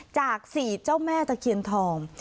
จาก๔เจ้าแม่ตะเคียนทอง